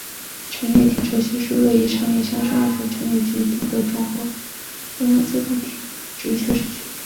辰野停车区是位于长野县上伊那郡辰野町的中央自动车道之休息区。